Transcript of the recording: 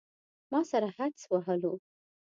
ما سره حدس وهلو.